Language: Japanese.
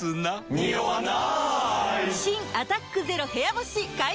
ニオわない！